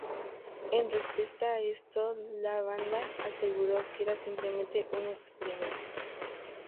En respuesta a esto, la banda aseguró que era simplemente "un experimento".